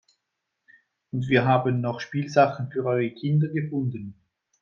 Und wir haben noch Spielsachen für eure Kinder gefunden.